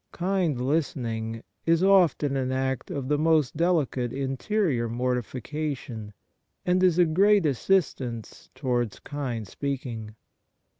Kind listening is often an act of the most delicate mterior mortification, and is a great assistance towards kind speaking.